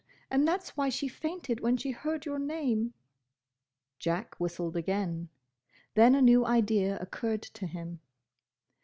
And that's why she fainted when she heard your name." Jack whistled again. Then a new idea occurred to him.